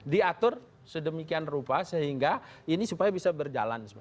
diatur sedemikian rupa sehingga ini supaya bisa berjalan